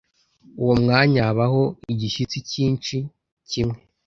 uwo mwanya habaho igishyitsi cyinshi kimwe.